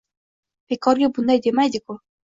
Bekorga bunday demaydi-ku